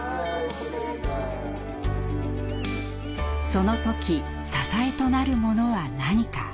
その時支えとなるものは何か？